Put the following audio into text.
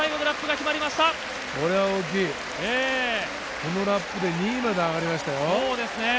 このラップで２位まで上がりましたよ。